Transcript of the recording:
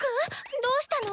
どうしたの？